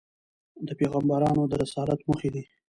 د پیغمبرانود رسالت موخي دي.